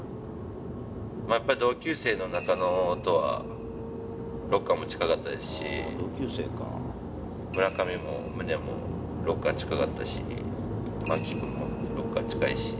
やっぱり同級生の中野とはロッカーも近かったですし、村上も、ムネもロッカー近かったし、牧君もロッカー近いし。